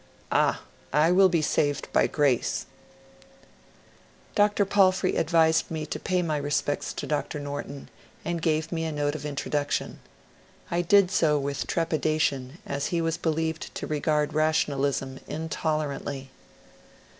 " Ah, I will be saved by grace,'''' Dr. Palfrey advised me to pay my respects to Dr. Norton, and gave me a note of introduction. I did so with trepida tion, as he was believed to regard rationalism intolerantly.